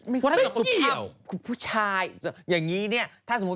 ไม่เกี่ยว